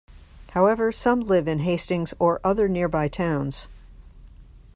However some live in Hastings or other nearby towns.